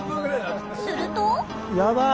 すると。